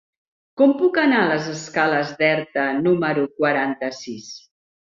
Com puc anar a les escales d'Erta número quaranta-sis?